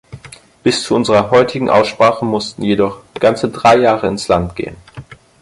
Bis zu unserer heutigen Aussprache mussten jedoch ganze drei Jahre ins Land gehen.